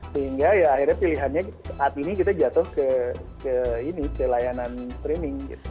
sehingga ya akhirnya pilihannya saat ini kita jatuh ke ini ke layanan streaming gitu